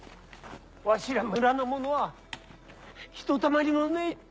わしら村の者はひとたまりもねえ。